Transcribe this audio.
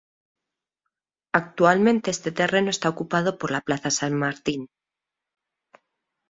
Actualmente ese terreno está ocupado por la Plaza San Martín.